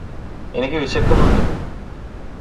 എനിക്ക് വിശക്കുന്നുണ്ട്